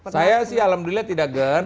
saya sih alhamdulillah tidak gern